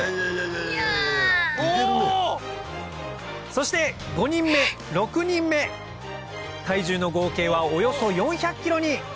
そして５人目６人目体重の合計はおよそ４００ｋｇに！